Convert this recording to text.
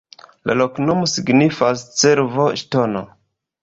La loknomo signifas: cervo-ŝtono.